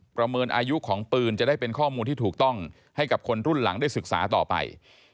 ประเมินอายุของปืนจะได้เป็นข้อมูลที่ถูกต้องให้กับคนรุ่นหลังได้ศึกษาต่อไป